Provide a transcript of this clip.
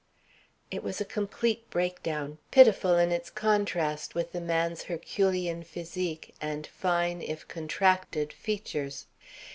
It was a complete breakdown, pitiful from its contrast with the man's herculean physique and fine, if contracted, features.